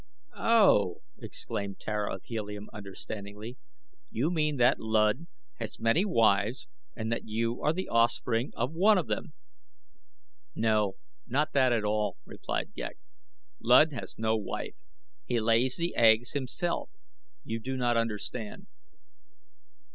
"Oh!" exclaimed Tara of Helium understandingly; "you mean that Luud has many wives and that you are the offspring of one of them." "No, not that at all," replied Ghek. "Luud has no wife. He lays the eggs himself. You do not understand."